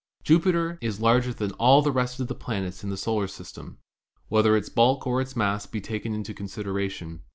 Jupiter is larger than all the rest of the planets in the solar system, whether its bulk or its mass be taken into consideration.